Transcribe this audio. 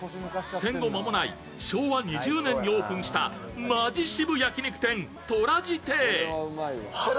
戦後間もない昭和２０年にオープンしたマヂ渋焼き肉店、とらじ亭。